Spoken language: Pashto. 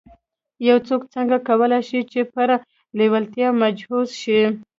يو څوک څنګه کولای شي چې پر لېوالتیا مجهز شي.